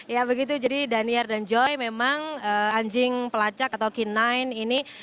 ya begitu jadi daniar dan joy memang anjing pelacak atau k sembilan ini